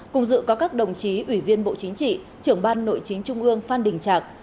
cùng dự có các đồng chí ủy viên bộ chính trị trưởng ban nội chính trung ương phan đình trạc